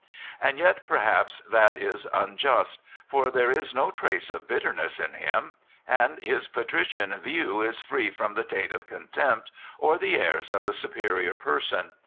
And yet, perhaps, that is unjust, for there is no trace of bitter ness in him, and his patrician view is free from the taint of contempt or the airs of the superior person.